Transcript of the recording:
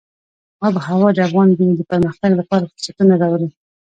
آب وهوا د افغان نجونو د پرمختګ لپاره فرصتونه راولي.